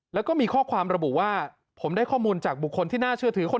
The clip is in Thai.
แล้วก็มีข้อความระบุว่าผมได้ข้อมูลจากบุคคลที่น่าเชื่อถือคน